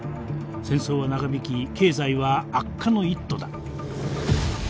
戦争は長引き経済は悪化の一途だ。